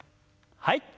はい。